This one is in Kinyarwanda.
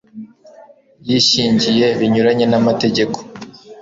yishyingiye binyuranye n'amategeko)